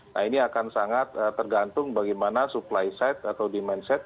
nah ini akan sangat tergantung bagaimana supply side atau demand side